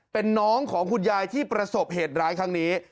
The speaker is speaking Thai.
เป็นน้องของคุณยายที่ประสบเหตุร้ายครั้งนี้